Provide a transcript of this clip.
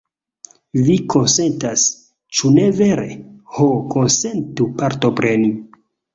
Vi konsentas, ĉu ne vere? Ho, konsentu partopreni!